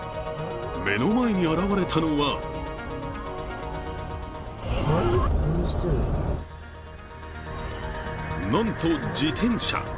目の前に現れたのはなんと自転車。